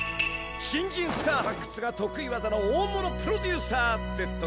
新人スター発掘がとくいわざの大物プロデューサーってとこかな。